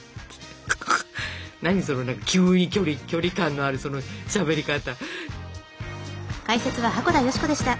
何その急に距離感のあるそのしゃべり方。